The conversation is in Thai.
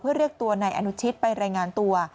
เพื่อเรียกตัวนายอนุชิตไปรายงานตัว